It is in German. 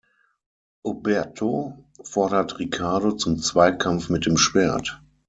Oberto fordert Riccardo zum Zweikampf mit dem Schwert.